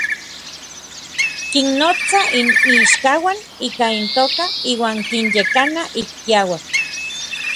Kinnotsa n iichkauan ika intoka iuan kinyekana ik kiauak.